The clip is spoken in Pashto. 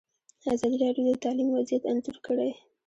ازادي راډیو د تعلیم وضعیت انځور کړی.